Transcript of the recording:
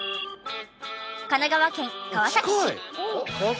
神奈川県川崎市。